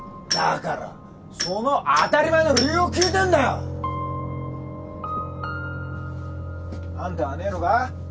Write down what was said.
だからその当たり前の理由を聞いてんだよ。あんたはねえのか？